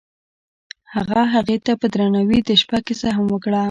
هغه هغې ته په درناوي د شپه کیسه هم وکړه.